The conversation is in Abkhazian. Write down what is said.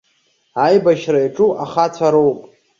Аибашьра иаҿу ахацәа роуп.